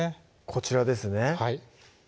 こちらですね